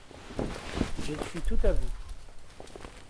Je suis tout à vous.